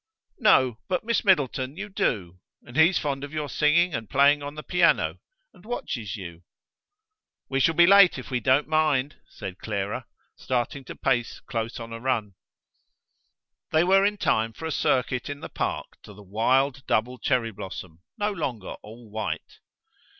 "No, but, Miss Middleton, you do. And he's fond of your singing and playing on the piano, and watches you." "We shall be late if we don't mind," said Clara, starting to a pace close on a run. They were in time for a circuit in the park to the wild double cherry blossom, no longer all white.